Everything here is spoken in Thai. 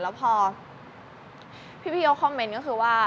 แล้วพอพี่เขาคอมเมนต์ก็คือว่า